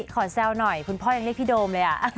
แซวหน่อยคุณพ่อยังเรียกพี่โดมเลย